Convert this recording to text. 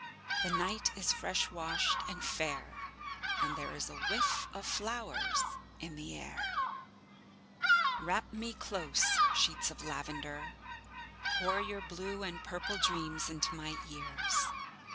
The night is fresh washed and fair and there is a whiff of flowers in the air. Wrap me close, sheets of lavender. Pour your blue and purple dreams into my ears.